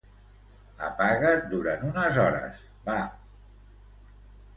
Apaga't durant unes hores, va.